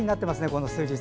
この数日。